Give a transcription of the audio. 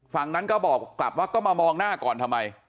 ฝั่งนั้นก็บอกกลับว่าก็มามองหน้าก่อนทำไม